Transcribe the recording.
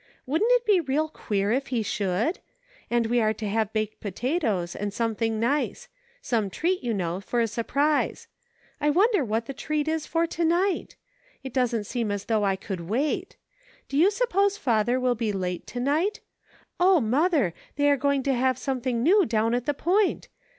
Wouldn't it be real queer if he should ? And we are to have baked potatoes, and something nice ; some treat, you know, for a surprise. I wonder what the treat is for to night .'' It doesn't seem as though I could wait ! Do you suppose father will be late to night ? O, mother, they are going to have something new down at the Point